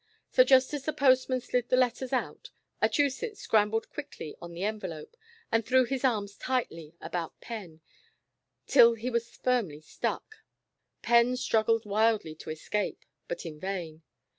So just as the postman slid the letters out, Achusetts scrambled quickly on the envelope, and threw his arms tightly about Penn till he was firmly stuck. Penn struggled wildly to escape, but in vain.